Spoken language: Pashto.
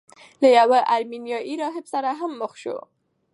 له یوه ارمینیايي راهب سره هم مخ شو.